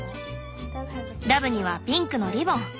ダブにはピンクのリボン。